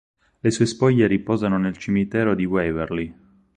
Le sue spoglie riposano nel cimitero di Waverley.